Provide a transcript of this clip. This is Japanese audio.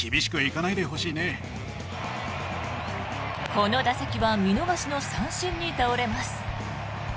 この打席は見逃しの三振に倒れます。